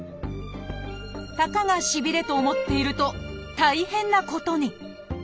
たかがしびれと思っていると大変なことに。